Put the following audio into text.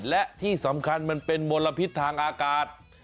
และที่สำคัญมันเป็นมลพิษทางอากาศ